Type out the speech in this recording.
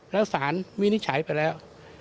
แล้วสารวินิจฉัยไปแล้ว